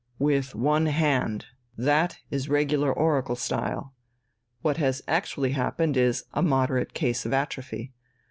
'With one hand' that is regular oracle style. What has actually happened is a moderate case of atrophy.